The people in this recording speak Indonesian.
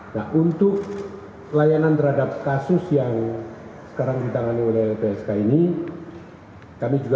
nah untuk layanan terhadap kasus yang sekarang ditangani oleh lpsk ini kami juga